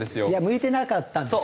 向いてなかったんですよ。